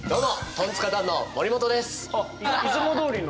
トンツカタンの森本です。